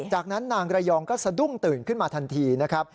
จากนั้นนางระยองก็สะดุ้งตื่นขึ้นมาทันทีนะครับ